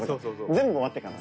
全部終わってから。